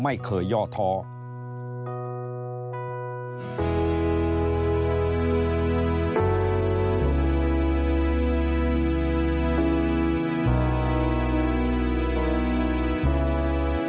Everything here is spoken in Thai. ถ้าคุณเกี่ยวกับประโยชน์และเหลือในท่านก็ไม่ค่อนข้างความรับของคุณ